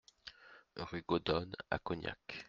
Rue Gaudonne à Cognac